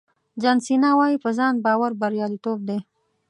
جان سینا وایي په ځان باور بریالیتوب دی.